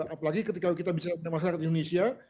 apalagi ketika kita bicara dengan masyarakat di indonesia